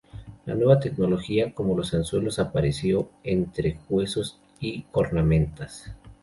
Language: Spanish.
La nueva tecnología como anzuelos apareció entre huesos y cornamentas.